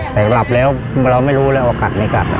แต่กลับแล้วเราไม่รู้ว่าขาดมันขัด